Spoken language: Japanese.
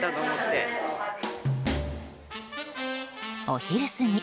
お昼過ぎ。